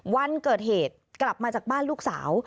วันเกิดเหตุกลับมาจากบ้านลูกสาว